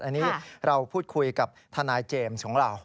อันนี้เราพูดคุยกับทนายเจมส์ของเรา